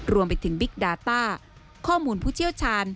รวมไปถึงบิ๊กดาต้าข้อมูลผู้เชี่ยวชาญ